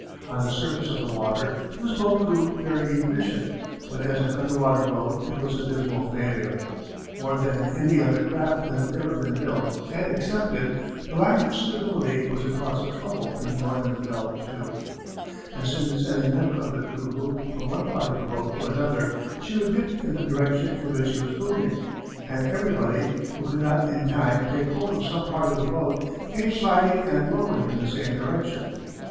On the surface of the water this boat proved very efficient, but as an underwater boat it was a dismal failure. More than in any other craft that had ever been built and accepted, the lack of stability was a cause of trouble in the Nordenfeldt II. As soon as any member of the crew moved from one part of the boat to another, she would dip in the direction in which he was moving, and everybody, who could not in time take hold of some part of the boat, came sliding and rolling in the same direction.